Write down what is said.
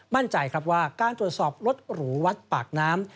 มั่นใจครับว่าการตรวจสอบรถหรูวัดปากน้ำ